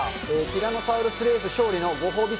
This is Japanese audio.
ティラノサウルスレース勝利のご褒美